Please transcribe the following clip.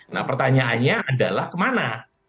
nah pertanyaannya adalah kemana